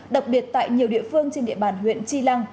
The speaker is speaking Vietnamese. đặc biệt tại nhiều địa phương trên địa bàn huyện tri lăng